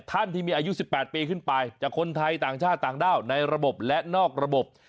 ท่านที่มีอายุ๑๘ปีขึ้นไปจากคนไทยต่างชาติต่างด้าวในระบบและนอกระบบ